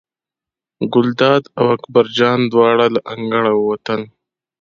ګلداد او اکبر جان دواړه له انګړه ووتل.